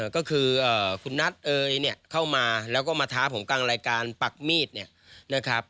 ก็คือคุณนัทเอยเนี่ยเข้ามาแล้วก็มาท้าผมกลางรายการปักมีดเนี่ยนะครับ